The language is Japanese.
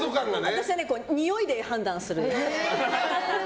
私はにおいで判断する。